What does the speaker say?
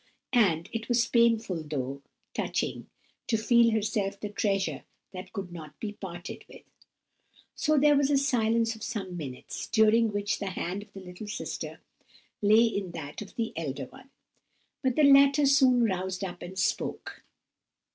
And it was painful, though touching, to feel herself the treasure that could not be parted with. So there was a silence of some minutes, during which the hand of the little sister lay in that of the elder one. But the latter soon roused up and spoke.